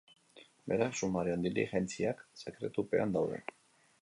Beraz, sumarioren diligentziak sekretupean daude.